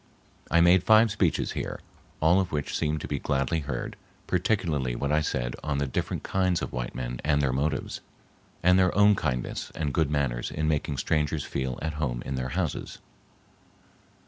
I made five speeches here, all of which seemed to be gladly heard, particularly what I said on the different kinds of white men and their motives, and their own kindness and good manners in making strangers feel at home in their houses.